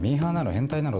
変態なの？